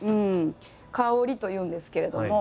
「歌織」というんですけれども。